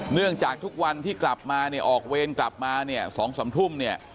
เนื่องจากทุกวันที่กลับมาออกเวรกลับมา๒๓ทุ่ม